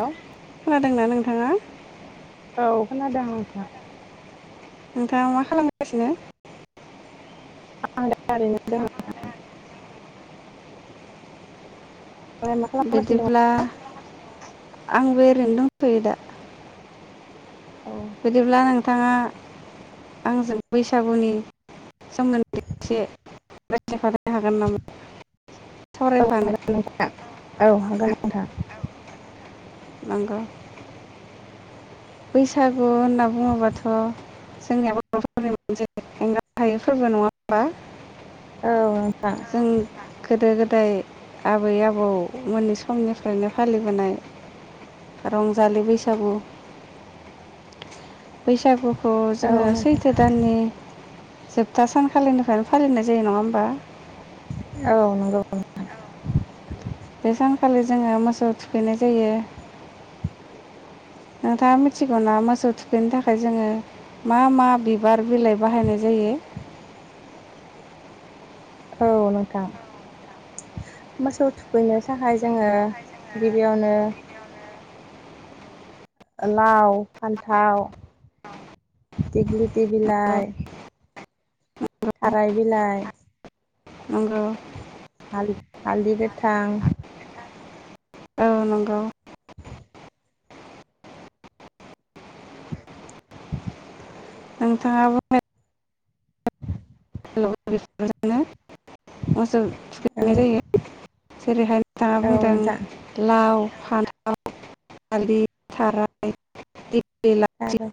Hello खोनादोंना नोंथाङा? औ खोनादों नोंथां नोंथाङा मा खालामगासिनो? आं दा ओरैनो दं नोंथां बिदिब्ला आं बे ओरैनो दंथयो दा दङ औ बिदिब्ला नोंथाङा आंजों बैसागुनि सोमोन्दै एसे रायज्लायफानो हागोन नामा? औ सावरायफानो हागोन नोंथां औ हागोन नोंथां नोंगौ बैसागु होनना बुङोबाथ' जोंनिया बर'फोरनि मोनसेे एंगार हायै फोरबो नङा होमबा औ नोंथां जों गोदो गोद नाथाय आबै आबौ मोनै समनिफ्रायनो फालिबोनाय रंजालि बैसागु बैसागु खौ जोङो औ नोंथां सैथो दाननि जोबथा सानखालिनिफ्रायनो फालिनाय जायो नङा होमबा? औ नंगौ [inaudible] खालि जोङो मोसौ थुखैनाय जायो। नोंथाङा मिथिगौना मोसौ थुखैनो थाखाय जोङो मा मा बिबार बिलाइ बाहायनाय जायो? औ नोंथां, मोसौ थुखैनो थाखाय जोङो गिबियावनो लाव, फान्थाव, दिेग्लिथि औ बिलाइ थाराय बिलाइ नंगौ। हालद-हालदि गोथां औ नंगौ नोंथाङा [unintelligible] [unintelligible] मोसौ औ थुखैनाय जायो जेरैहाय नोंथाङा औ बुंदों नोंथां लाव फान्थाव, हालदि, थाराय दिग्लि लावथि आरो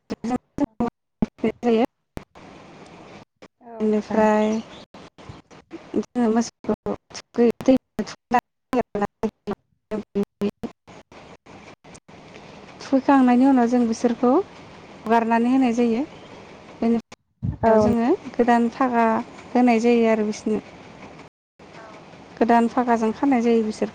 [unintelligible] औ नोंथां [unintelligible] [unintelligible] थुखैखांनायनि उनाव जों बिसोरखौ हगारनानै होनाय जायो। बेनिफ - [unintelligible] औ जोङो गोदान फागा होनाय जायो आरो बिसोरनो, गोदान फागाजों खानाय जायो बिसोरखौ।